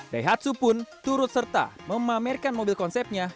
daihatsu pun turut serta memamerkan mobil konsepnya